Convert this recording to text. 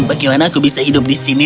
bagaimana aku bisa hidup di sini